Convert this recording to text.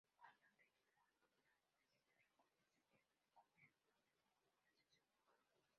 Juana de Maldonado decidió recluirse en un convento y hacerse monja.